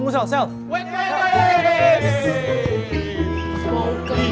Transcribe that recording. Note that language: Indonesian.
sel sel sel tunggu belom